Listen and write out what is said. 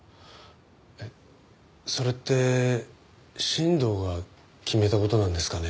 えっそれって新藤が決めた事なんですかね？